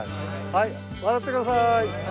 はい笑ってください。